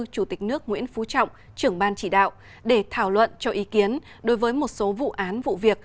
chủ tịch nước nguyễn phú trọng trưởng ban chỉ đạo để thảo luận cho ý kiến đối với một số vụ án vụ việc